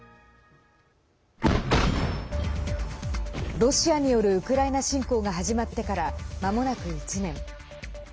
ロシアによるウクライナ侵攻が始まってからまもなく１年。